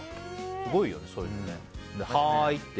すごいよね、そういうの。